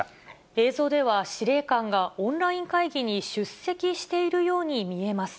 映像では、司令官がオンライン会議に出席しているように見えます。